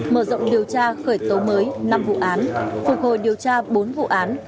mở rộng điều tra khởi tố mới năm vụ án phục hồi điều tra bốn vụ án